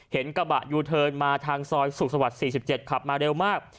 กระบะยูเทิร์นมาทางซอยสุขสวรรค์๔๗ขับมาเร็วมาก